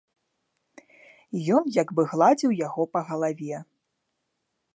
Ён як бы гладзіў яго па галаве.